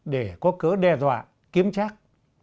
để có cớ đe dọa kiếm trác